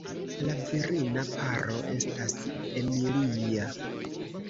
La virina paro estas Emilia.